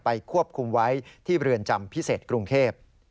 ควบคุมไว้ที่เรือนจำพิเศษกรุงเทพ